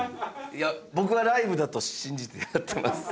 いや僕はライブだと信じてやってます。